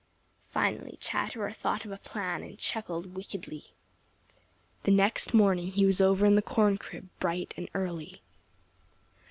Finally Chatterer thought of a plan and chuckled wickedly. The next morning he was over in the corn crib bright and early.